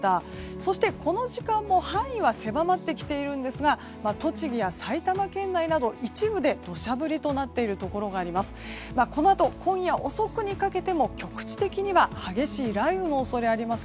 そして、この時間も範囲は狭まってきているんですが栃木や埼玉県内など一部で土砂降りとなっているところがあります。